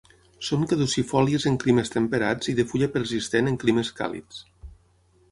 Són caducifòlies en climes temperats i de fulla persistent en climes càlids.